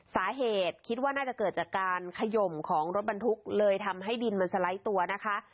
สาเหตุคิดว่าน่าจะเกิดจากการขยมของรถบรรทุกเลยทำให้ดินมันสไลด์ตัวนะคะ